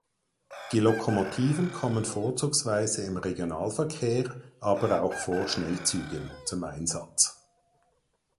Die Lokomotiven kommen vorzugsweise im Regionalverkehr, aber auch vor Schnellzügen zum Einsatz.